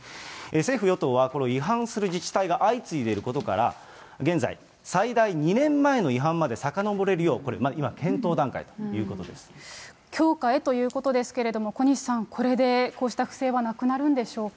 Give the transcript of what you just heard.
政府・与党はこの違反する自治体が相次いでいることから、現在、最大２年前の違反までさかのぼれるよう今、検討段階ということで強化へということですけれども、小西さん、これでこうした不正もなくなるんでしょうか。